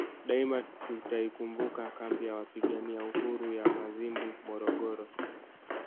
Daima tutaikumbuka kambi ya Wapigania Uhuru ya Mazimbu Morogoro